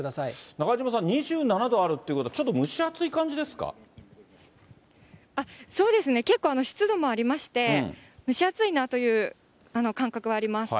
中島さん、２７度あるということは、ちょっと蒸し暑い感じでそうですね、結構湿度もありまして、蒸し暑いなという感覚はあります。